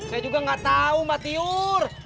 saya juga gak tau mbak tiur